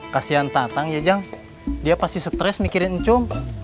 kasian tatang ya jang dia pasti stress mikirin encung